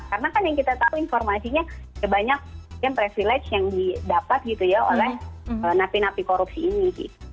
karena kan yang kita tahu informasinya banyak yang privilege yang didapat gitu ya oleh napi napi korupsi ini